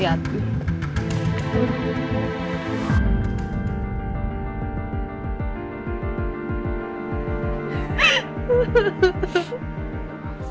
ingen apa sih